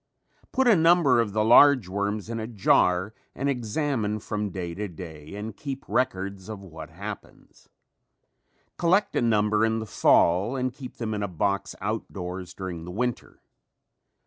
Put a number of the large worms in a jar and examine from day to day and keep records of what happens. Collect a number in the fall and keep them in a box outdoors during the winter.